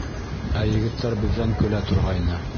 Ә егеттәр беҙҙән көлә торғайны!